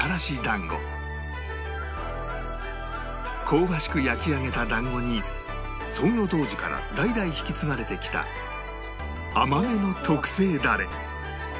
香ばしく焼き上げた団子に創業当時から代々引き継がれてきた甘めの特製ダレ